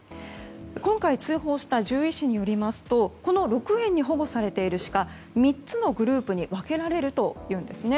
今回通報した獣医師によりますとこの鹿苑に保護されているシカは３つのグループに分けられるというんですね。